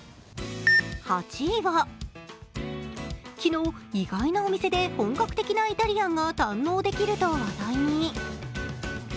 ８位は、昨日、意外なお店で本格的なイタリアンが堪能できると話題に。